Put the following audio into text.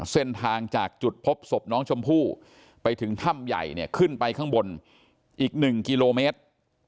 เส้นทางจากจุดพบศพน้องชมพู่ไปถึงถ้ำใหญ่เนี่ยขึ้นไปข้างบนอีก๑กิโลเมตร